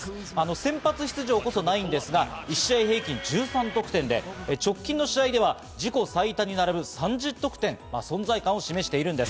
先発出場こそないんですが、１試合平均１３得点で直近の試合では自己最多に並ぶ３０得点、存在感を示しているんです。